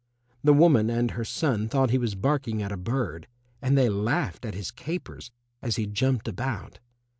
The woman and her son thought he was barking at a bird, and they laughed at his capers as he jumped about.